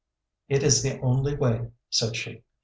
"It is the only way," said she.